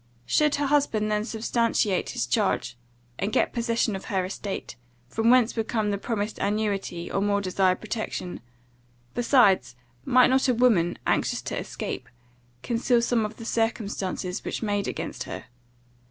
"Should her husband then substantiate his charge, and get possession of her estate, from whence would come the promised annuity, or more desired protection? Besides, might not a woman, anxious to escape, conceal some of the circumstances which made against her?